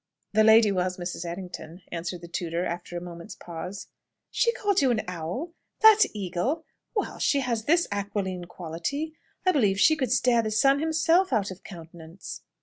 "The lady was Mrs. Errington," answered the tutor, after a moment's pause. "She called you an owl? That eagle? Well, she has this aquiline quality; I believe she could stare the sun himself out of countenance!"